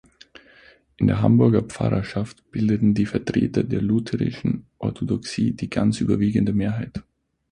In der Hamburger Pfarrerschaft bildeten die Vertreter der lutherischen Orthodoxie die ganz überwiegende Mehrheit.